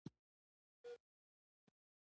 د دې لپاره چې ژوند د حرکت په حال کې وساتل شي.